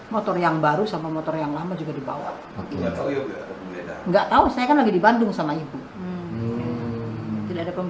motor yang baru sama motor yang lama juga dibawa saya kan lagi di bandung sama ibu tidak ada